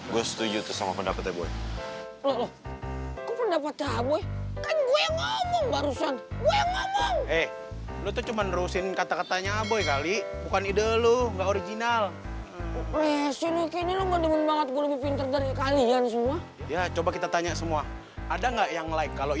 gue tau harus ngelakuin apa